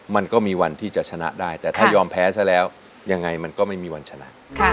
มันก็มีวันที่จะชนะได้แต่ถ้ายอมแพ้ซะแล้วยังไงมันก็ไม่มีวันชนะ